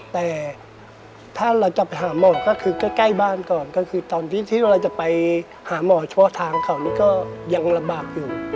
แต่ถ้าเราจะไปหาหมอก็คือใกล้บ้านก่อนก็คือตอนที่เราจะไปหาหมอชั่วทางเขานี่ก็ยังลำบากอยู่